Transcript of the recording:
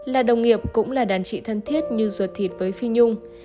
là đồng nghiệp cũng là đàn trị thân thiết như ruột thịt với phi nhung